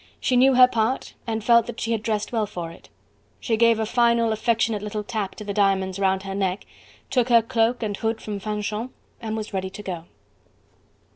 She knew her part and felt that she had dressed well for it. She gave a final, affectionate little tap to the diamonds round her neck, took her cloak and hood from Fanchon, and was ready to go.